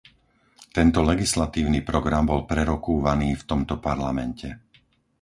Tento legislatívny program bol prerokúvaný v tomto Parlamente.